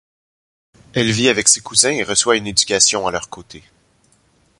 Elle vit avec ses cousins et reçoit une éducation à leurs côtés.